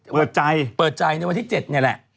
เปิดใจเปิดใจในวันที่๗นี่แหละ